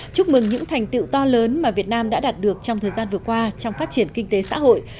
chúc mừng những thành tiệu to lớn mà việt nam đã đạt được trong thời gian vừa qua trong phát triển kinh tế xã hội